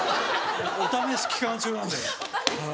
お試し期間中なので。